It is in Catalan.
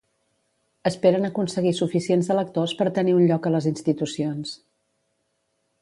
Esperen aconseguir suficients electors per tenir un lloc a les institucions.